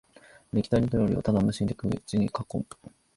できたて料理をただ無心で口にかっこむ